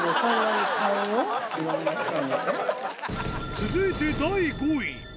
続いて第５位。